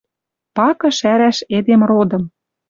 Пакы шӓрӓш эдем родым